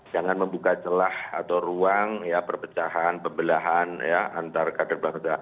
jangan membuka celah atau ruang ya perpecahan pembelahan antar kader baru